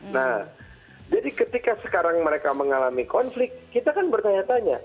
nah jadi ketika sekarang mereka mengalami konflik kita kan bertanya tanya